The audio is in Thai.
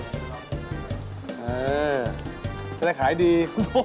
จะได้ขายดี